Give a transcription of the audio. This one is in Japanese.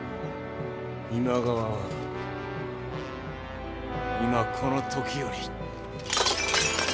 今川は今この時より。